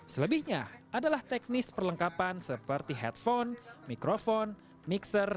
selebihnya adalah teknis perlengkapan seperti headphone mikrofon mixer